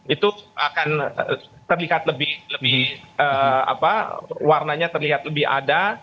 itu akan terlihat lebih warnanya terlihat lebih ada